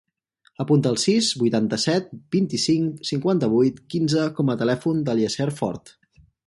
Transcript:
Apunta el sis, vuitanta-set, vint-i-cinc, cinquanta-vuit, quinze com a telèfon del Yasser Fort.